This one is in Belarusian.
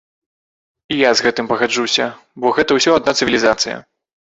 І я з гэтым пагаджуся, бо гэта ўсё адна цывілізацыя.